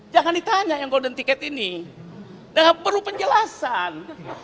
jangan ditanya yang golden ticket ini dengan perlu penjelasan